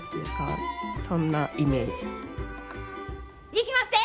いきまっせ！